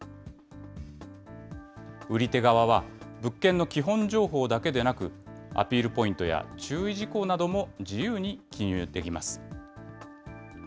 売り手側は物件の基本情報だけでなく、アピールポイントや、注意事項なども自由に記入できます。